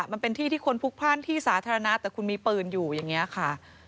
มันเป็นที่ที่คนพลุกพล่านที่สาธารณะแต่คุณมีปืนอยู่อย่างนี้ค่ะ